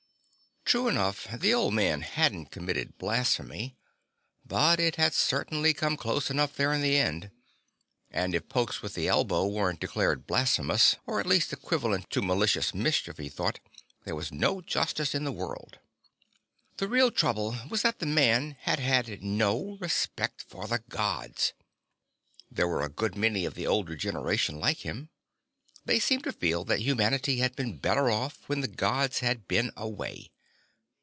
True enough, the old man hadn't committed blasphemy, but it had certainly come close enough there at the end. And if pokes with the elbow weren't declared blasphemous, or at least equivalent to malicious mischief, he thought, there was no justice in the world. The real trouble was that the man had had no respect for the Gods. There were a good many of the older generation like him. They seemed to feel that humanity had been better off when the Gods had been away.